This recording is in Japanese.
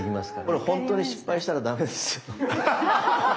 これ本当に失敗したらダメですよ。